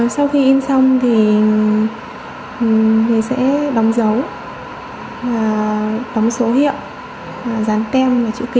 sau khi in xong thì mình sẽ bóng dấu bóng số hiệu dán tem và chữ ký